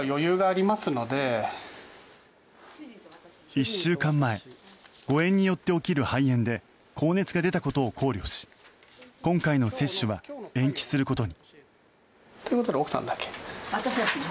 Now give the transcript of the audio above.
１週間前誤嚥によって起きる肺炎で高熱が出たことを考慮し今回の接種は延期することに。